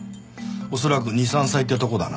恐らく２３歳ってとこだな。